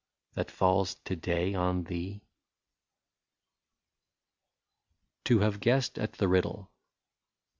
That falls to day on thee ?'* 131 TO HAVE GUESSED AT THE RIDDLE.